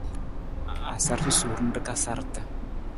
A sar susuur nra ka sarata.